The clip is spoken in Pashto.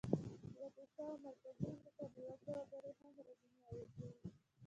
د افریقا او مرکزي امریکا بېوزله وګړي هم ورځنی عاید لري.